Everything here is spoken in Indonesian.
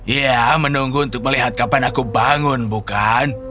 ya menunggu untuk melihat kapan aku bangun bukan